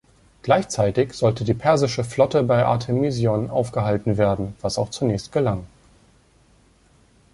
Gleichzeitig sollte die persische Flotte bei Artemision aufgehalten werden, was auch zunächst gelang.